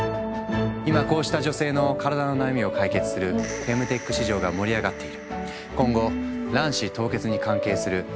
今こうした女性の体の悩みを解決するフェムテック市場が盛り上がっている。